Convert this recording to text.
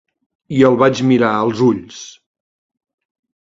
I el vaig mirar als ulls.